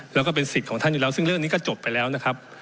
แล้วก็เป็นสิทธิ์ของท่านอยู่แล้วซึ่งเรื่องนี้ก็จบไปแล้วนะครับ